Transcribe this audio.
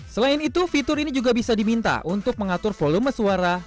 selain itu fitur ini juga bisa diminta untuk mengatur volume suara